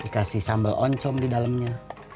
dikasih sambal oncom di dalamnya